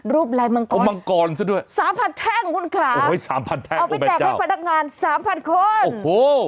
รูปลายมังกรสามพันแท่งคุณขาเอาไปแตกให้พนักงานสามพันคนโอ้โฮ